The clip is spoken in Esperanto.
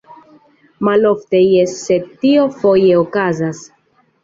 Malofte, jes, sed tio foje okazas.